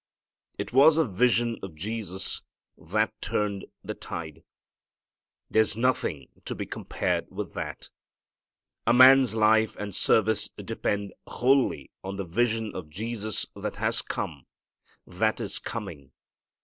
It was a vision of Jesus that turned the tide. There's nothing to be compared with that. A man's life and service depend wholly on the vision of Jesus that has come, that is coming.